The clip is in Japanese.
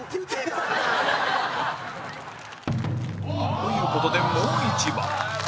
という事でもう一番